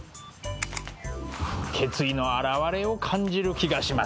決意の表れを感じる気がします。